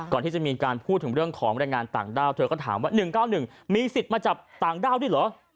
ก่อนที่จะมีการพูดถึงเรื่องของแรงงานต่างด้าวเธอก็ถามว่า๑๙๑มีสิทธิ์มาจับต่างด้าวด้วยเหรอ